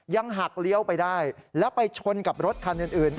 หักเลี้ยวไปได้แล้วไปชนกับรถคันอื่น